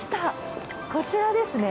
こちらですね。